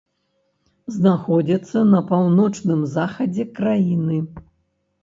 Знаходзіцца на паўночным захадзе краіны.